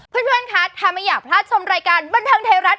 เพื่อนคะถ้าไม่อยากพลาดชมรายการบันเทิงไทยรัฐ